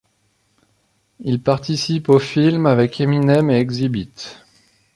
Il participe au film ' avec Eminem et Xzibit.